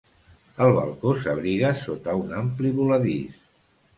El balcó s'abriga sota un ampli voladís.